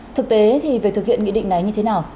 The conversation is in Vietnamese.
thực tế thì về thực hiện nghị định này như thế nào